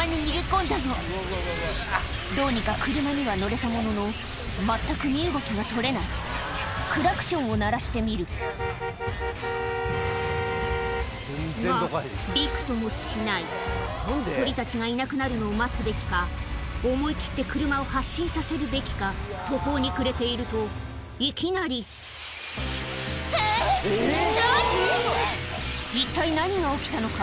どうにか車には乗れたものの全く身動きがとれないクラクションを鳴らしてみるびくともしない鳥たちがいなくなるのを待つべきか思い切って車を発進させるべきか途方に暮れているといきなりえぇ何⁉一体何が起きたのか？